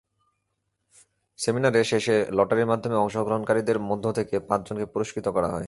সেমিনারে শেষে লটারির মধ্যমে অংশগ্রহনকারীদের মধ্যে থেকে পাঁচজনকে পুরস্কৃত করা হয়।